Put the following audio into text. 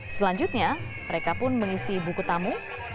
selanjutnya mereka pun mengisi buku tamu